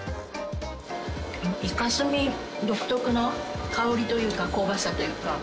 イカ墨独特の香りというか香ばしさというか。